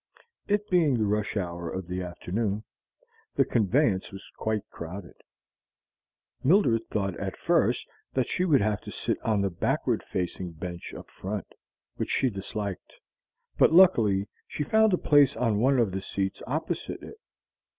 It being the rush hour of the afternoon, the conveyance was quite crowded. Mildred thought at first that she would have to sit on the backward facing bench up front, which she disliked; but luckily she found a place on one of the seats opposite it.